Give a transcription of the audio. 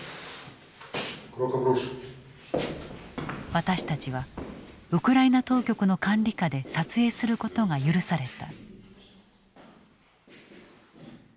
私たちはウクライナ当局の管理下で撮影することが許された。